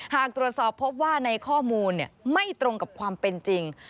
หากตรวจสอบพบว่าในข้อมูลไม่ตรงกับความเป็นจริง